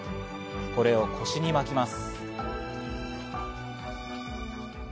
これを腰に巻きます。